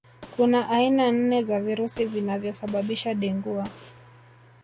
Kuna aina nne za virusi vinavyosababisha Dengua